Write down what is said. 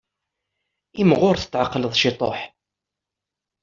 Imɣur tetɛeqqleḍ ciṭuḥ.